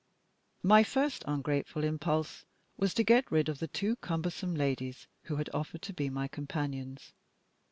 My first ungrateful impulse was to get rid of the two cumbersome ladies who had offered to be my companions.